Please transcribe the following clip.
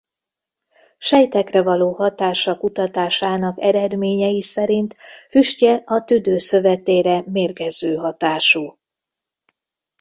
Sejtekre való hatása kutatásának eredményei szerint füstje a tüdő szövetére mérgező hatású.